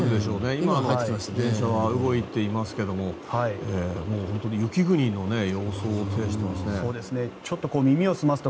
今、電車は動いていますがもう本当に雪国の様相を呈していますね。